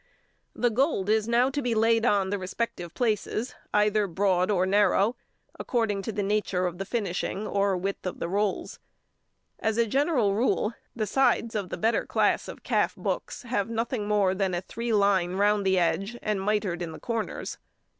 The gold is now to be laid on the respective places, either broad or narrow, according to the nature of the finishing or width of the rolls. As a general rule, the sides of the better class of calf books have nothing more than a three line round the edge and mitred in the corners.